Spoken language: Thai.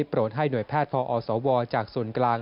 โปรดให้หน่วยแพทย์พอสวจากส่วนกลาง